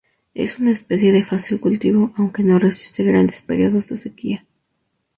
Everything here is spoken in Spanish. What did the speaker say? Es una especie de fácil cultivo, aunque no resiste grandes períodos de sequía.